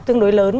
tương đối lớn